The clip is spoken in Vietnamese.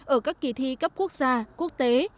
ở các kỳ thi cấp quốc gia quốc tế